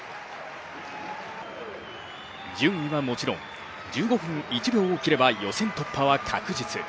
順位はもちろん、１５分１秒を切れば予選突破は確実。